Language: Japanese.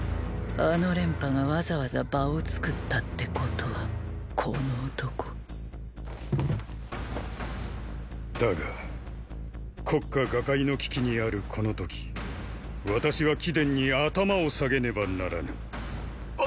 あの廉頗がわざわざ場を作ったってことはこの男だが国家瓦解の危機にあるこの時私は貴殿に頭を下げねばならぬ。